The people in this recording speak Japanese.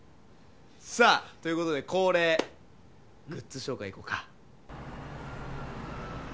さあ！ということで恒例グッズ紹介いこうか。